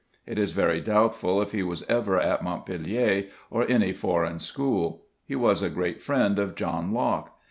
It is very doubtful if he was ever at Montpellier or any foreign school. He was a great friend of John Locke.